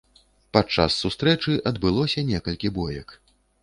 Падчас сустрэчы адбылося некалькі боек.